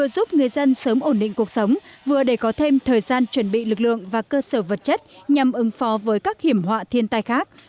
giúp người dân sớm ổn định cuộc sống vừa để có thêm thời gian chuẩn bị lực lượng và cơ sở vật chất nhằm ứng phó với các hiểm họa thiên tai khác